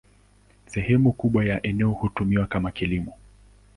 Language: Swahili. Sehemu kubwa ya eneo hutumiwa kwa kilimo.